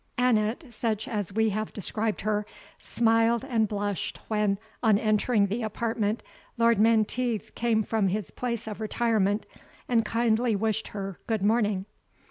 Annot, such as we have described her, smiled and blushed, when, on entering the apartment, Lord Menteith came from his place of retirement, and kindly wished her good morning.